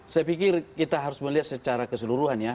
saya pikir kita harus melihat secara keseluruhan ya